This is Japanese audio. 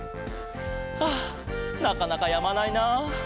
ああなかなかやまないな。